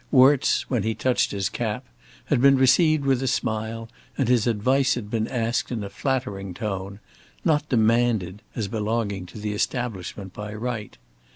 Worts when he touched his cap had been received with a smile, and his advice had been asked in a flattering tone, not demanded as belonging to the establishment by right.